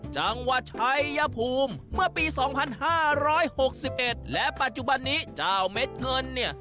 จังวัดไชยภูมิเมื่อปีสองพันห้าร้อยหกสิบเอ็ดและปัจจุบันนี้เจ้าเม็ดเงินเนี่ย